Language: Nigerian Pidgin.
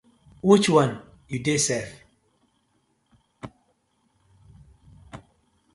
Which one yu dey sef?